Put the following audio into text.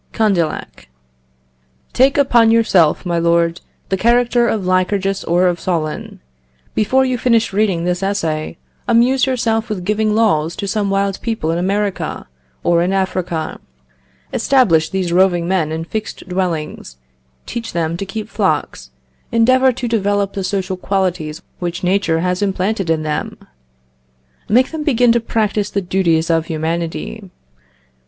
Condillac. "Take upon yourself, my lord, the character of Lycurgus or of Solon. Before you finish reading this essay, amuse yourself with giving laws to some wild people in America or in Africa. Establish these roving men in fixed dwellings; teach them to keep flocks.... Endeavour to develop the social qualities which nature has implanted in them.... Make them begin to practise the duties of humanity....